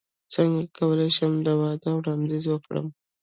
څنګه کولی شم د واده وړاندیز وکړم